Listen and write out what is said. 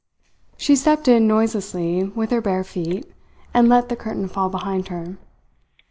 She stepped in noiselessly with her bare feet, and let the curtain fall behind her.